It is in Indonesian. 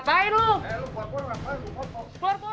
apa yang kamu lakukan